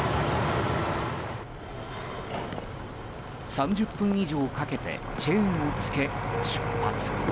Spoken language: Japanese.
３０分以上かけてチェーンを着け、出発。